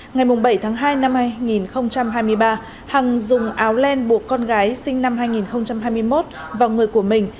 ngày bảy tháng hai năm hai nghìn hai mươi ba hằng dùng áo len buộc con gái sinh năm hai nghìn hai mươi một vào người của mình